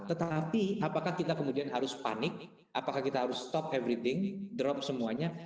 tetapi apakah kita kemudian harus panik apakah kita harus stop everything drop semuanya